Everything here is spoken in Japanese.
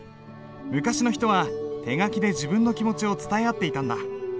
昔の人は手書きで自分の気持ちを伝え合っていたんだ。